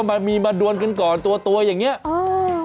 มามีมาดวนกันก่อนตัวตัวอย่างเงี้เออ